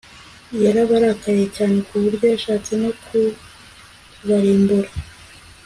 yarabarakariye cyane ku buryo yashatse no kubarimbura